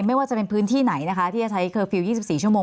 ไม่ว่าจะเป็นพื้นที่ไหนนะคะที่จะใช้เคอร์ฟิลล์๒๔ชั่วโมง